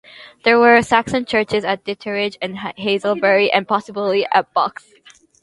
There were Saxon churches at Ditteridge and Hazelbury, and possibly at Box.